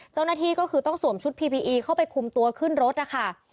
เจ้าหน้าทีก็คือต้องสวมชุดคุมตัวขึ้นรถนะคะ